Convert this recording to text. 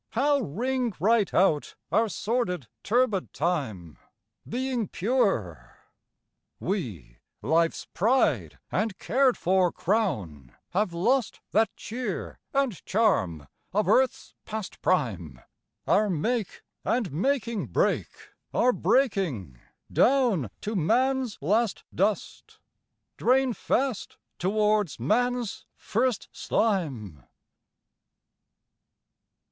How ring right out our sordid turbid time, Being pure! We, life's pride and cared for crown, Have lost that cheer and charm of earth's past prime: Our make and making break, are breaking, down To man's last dust, drain fast towards man's first slime.